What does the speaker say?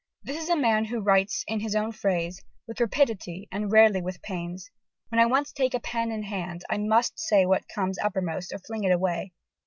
This is a man who writes, in his own phrase, "with rapidity and rarely with pains.... When I once take pen in hand, I must say what comes uppermost or fling it away."